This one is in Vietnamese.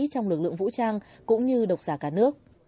trong lực lượng vũ trang cũng như độc giả cả nước